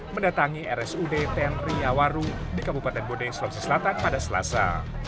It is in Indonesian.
mendatangi rsud ten riawaru di kabupaten bode sulawesi selatan pada selasa